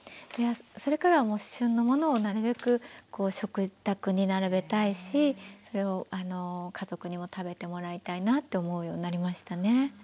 それからは旬のものをなるべく食卓に並べたいしそれを家族にも食べてもらいたいなって思うようになりましたね。